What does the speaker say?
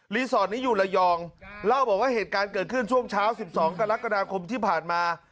สอร์ทนี้อยู่ระยองเล่าบอกว่าเหตุการณ์เกิดขึ้นช่วงเช้า๑๒กรกฎาคมที่ผ่านมา